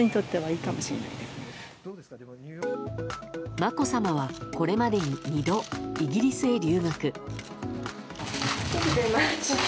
まこさまは、これまでに２度イギリスへ留学。